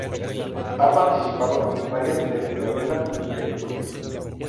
Ha participado en varias telenovelas y películas.